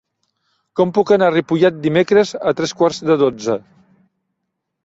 Com puc anar a Ripollet dimecres a tres quarts de dotze?